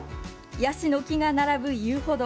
ヤシの木が並ぶ遊歩道。